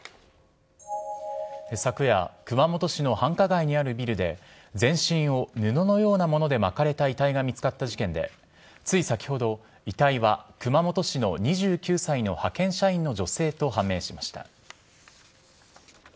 昨夜、熊本市の繁華街にあるビルで、全身を布のようなもので巻かれた遺体が見つかった事件で、つい先ほど、遺体は熊本市の２９歳の派遣社員の女性と判明しました。